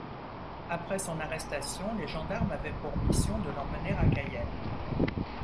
Après son arrestation, les gendarmes avaient pour mission de l’emmener à Cayenne.